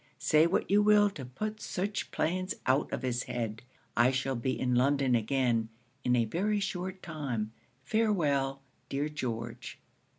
Say what you will to put such plans out of his head. I shall be in London again, in a very short time. Farewell, dear George.